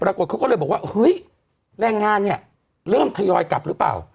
ปรากฏเขาก็เลยบอกว่าเฮ้ยแรงงานเนี่ยเริ่มทยอยกลับหรือเปล่า